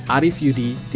arief yudi tidak melarangnya